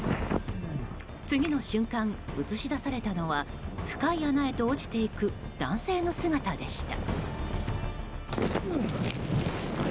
次の瞬間、映し出されたのは深い穴へと落ちていく男性の姿でした。